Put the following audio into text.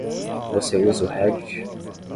Você usa o Reddit?